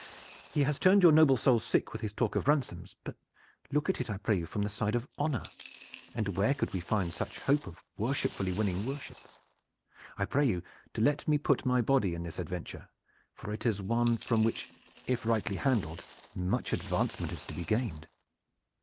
He has turned your noble soul sick with his talk of ransoms; but look at it, I pray you, from the side of honor, and where could we find such hope of worshipfully winning worship? I pray you to let me put my body in this adventure, for it is one from which, if rightly handled, much advancement is to be gained."